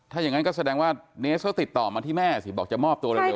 ถ้าอย่างนั้นก็แสดงว่าเนสเขาติดต่อมาที่แม่สิบอกจะมอบตัวเร็ว